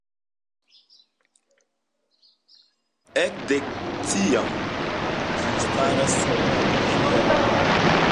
Ekde tiam ĝi staras sub la ĉielo.